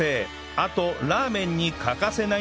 あとラーメンに欠かせないのが